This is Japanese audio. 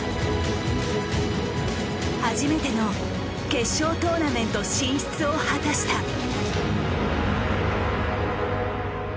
初めての決勝トーナメント進出を果たした。